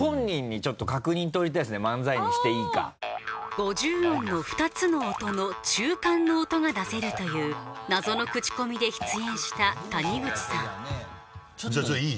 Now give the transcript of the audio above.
五十音の２つの音の中間の音が出せるというなぞのクチコミで出演した谷口さんじゃあいい？